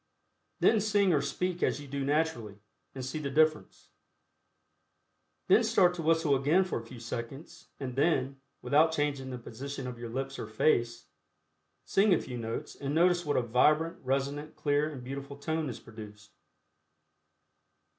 Then sing or speak as you do naturally, and see the difference. Then start to whistle again for a few seconds, and then, without changing the position of your lips or face, sing a few notes and notice what a vibrant, resonant, clear and beautiful tone is produced.